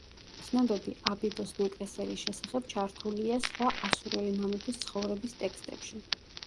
ცნობები აბიბოს ნეკრესელის შესახებ ჩართულია სხვა ასურელი მამების ცხოვრების ტექსტებში.